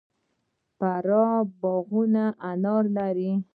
د فراه باغونه انار لري.